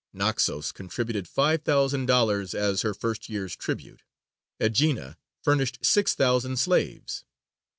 Naxos contributed five thousand dollars as her first year's tribute; Aegina furnished six thousand slaves.